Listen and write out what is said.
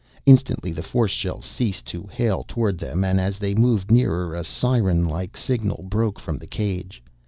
Instantly the force shells ceased to hail toward them, and as they moved nearer a sirenlike signal broke from the cage.